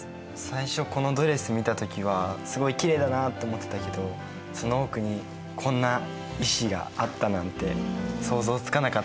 最初このドレス見た時はすごいきれいだなって思ってたけどその奥にこんな意志があったなんて想像つかなかったね。